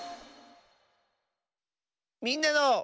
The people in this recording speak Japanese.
「みんなの」。